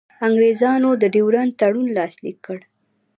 انګرېزانو د ډیورنډ تړون لاسلیک کړ.